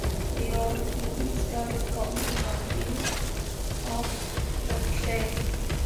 They are within the historic county boundaries of Berkshire.